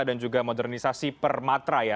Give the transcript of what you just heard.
dan juga modernisasi per matra ya